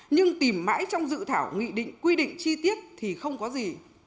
nhưng tìm mãi trong dự thảo nghị định quy định chi tiết thì không có gì